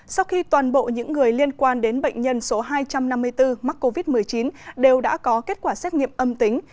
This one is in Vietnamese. sau khi toàn bộ những người liên quan đến bệnh nhân số hai trăm năm mươi bốn mắc covid một mươi chín đều đã có kết quả xét nghiệm âm tính